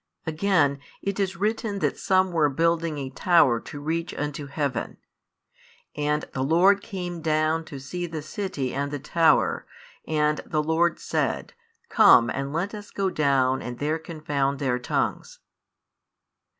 Again, it is written that some were building a tower to reach unto heaven, and the Lord came down to see the city and the tower; and the Lord said, Gome and let Us go down and there confound their tongues.